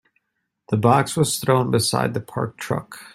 The box was thrown beside the parked truck.